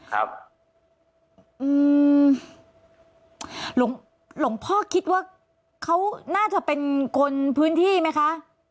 หลวงพ่อคิดว่าเขาน่าจะเป็นคนพื้นที่ไหมคะ